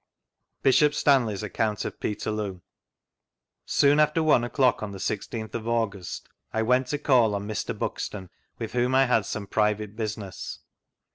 : vGoogIc 1 Bishop Stanley's Account of Petcrloo Soon after one o'clock on the i6th of August, I went to call on Mr. Buxton, with whom I had some private business.